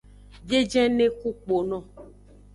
Biejene ku kpono.